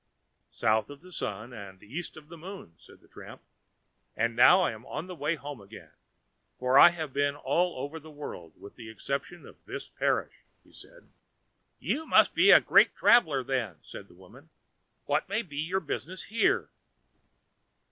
"South of the sun, and east of the moon," said the tramp; "and now I am on the way home again, for I have been all over the world with the exception of this parish," he said. "You must be a great traveler, then," said the woman. "What may be your business here?"